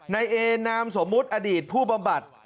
ในเอนามสมมุติอดีตผู้บำบัด